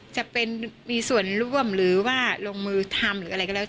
จะมีส่วนร่วมหรือว่าลงมือทำหรืออะไรก็แล้ว